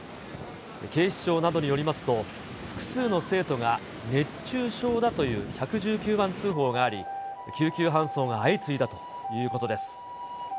警視庁などによりますと、複数の生徒が熱中症だという１１９番通報があり、救急搬送が相次いだということです。